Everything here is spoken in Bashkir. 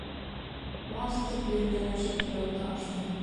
«Бас» тип йөрөтәләр шикелле ул тауышты.